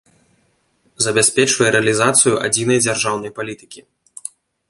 Забяспечвае рэалiзацыю адзiнай дзяржаўнай палiтыкi.